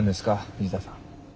藤田さん。